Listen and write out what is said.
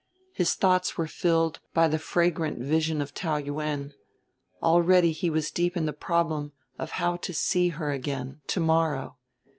His thoughts were filled by the fragrant vision of Taou Yuen; already he was deep in the problem of how to see her again, to morrow.